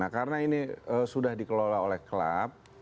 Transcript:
nah karena ini eee sudah dikelola oleh klub